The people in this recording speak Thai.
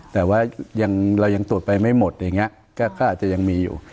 แต่ว่าเรายังตรวจไปไม่หมดอย่างนี้ก็อาจจะยังมีอยู่